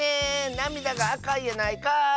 なみだがあかいやないかい！